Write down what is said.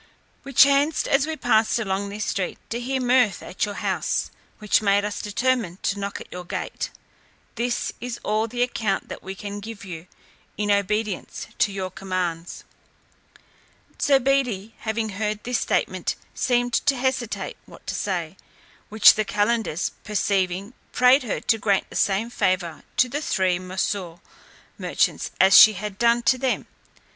We chanced as we passed along this street to hear mirth at your house, which made us determine to knock at your gate. This is all the account that we can give you, in obedience to your commands." Zobeide having heard this statement, seemed to hesitate what to say, which the calenders perceiving, prayed her to grant the same favour to the three Moussol merchants as she had done to them.